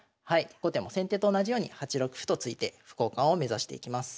後手も先手と同じように８六歩と突いて歩交換を目指していきます。